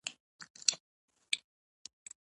بیزو د خطر پر مهال تېښته کوي.